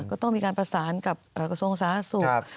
ก็ต้องมีการประสานกับกระทรวงสาธารณสุข